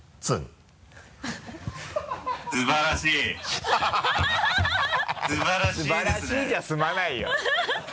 素晴らしいじゃ済まないよ！